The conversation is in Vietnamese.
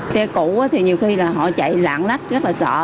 xe cũ thì nhiều khi là họ chạy lạng lách rất là sợ